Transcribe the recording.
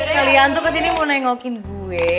kalian tuh kesini mau nengokin gue